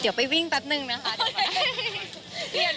เดี๋ยวไปวิ่งแป๊บนึงนะคะเดี๋ยวก่อน